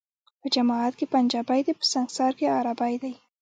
په جماعت کي پنجابی دی ، په سنګسار کي عربی دی